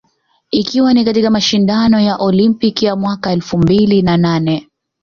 ikiwa ni katika mashindano ya olimpiki ya mwaka elfu mbili na nane